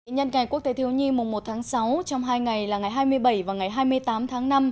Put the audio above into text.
nhân ngày quốc tế thiếu nhi mùng một tháng sáu trong hai ngày là ngày hai mươi bảy và ngày hai mươi tám tháng năm